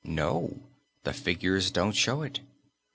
No, the figures don't show it.